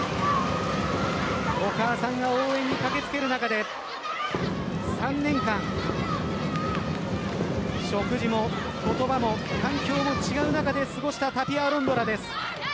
お母さんが応援に駆けつける中で３年間食事も言葉も環境も違う中で過ごしたタピア・アロンドラです。